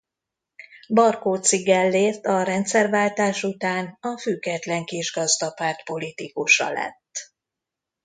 Barkóczy Gellért a rendszerváltás után a Független Kisgazdapárt politikusa lett.